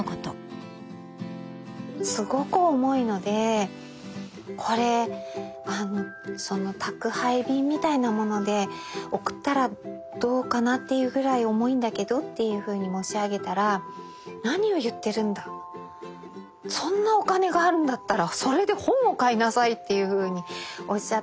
すごく重いのでこれ宅配便みたいなもので送ったらどうかなっていうぐらい重いんだけどっていうふうに申し上げたら何を言っているんだそんなお金があるんだったらそれで本を買いなさいっていうふうにおっしゃって。